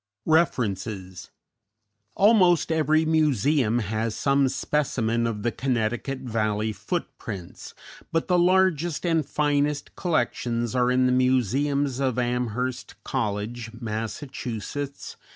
REFERENCES _Almost every museum has some specimen of the Connecticut Valley footprints, but the largest and finest collections are in the museums of Amherst College, Mass.